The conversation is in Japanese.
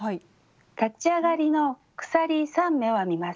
立ち上がりの鎖３目を編みます。